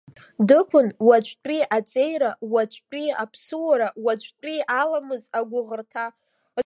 Дықәын, уаҵәтәи аҵеира, уаҵәтәи аԥсуара, уаҵәтәи аламыс агәыӷырҭа.